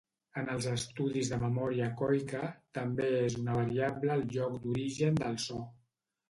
En els estudis de memòria ecoica també és una variable el lloc d'origen del so.